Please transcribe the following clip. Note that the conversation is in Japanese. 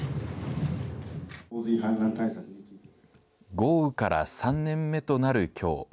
豪雨から３年目となるきょう。